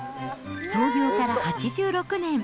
創業から８６年。